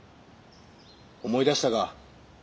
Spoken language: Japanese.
思い出したか？